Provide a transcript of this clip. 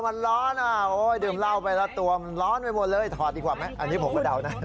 มันร้อนอ่ะโอ้ยดื่มเหล้าไปแล้วตัวมันร้อนไปหมดเลยถอดดีกว่าไหมอันนี้ผมก็เดานะ